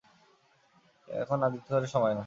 এখন আদিখ্যেতার সময় না।